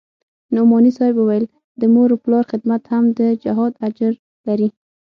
نعماني صاحب وويل د مور و پلار خدمت هم د جهاد اجر لري.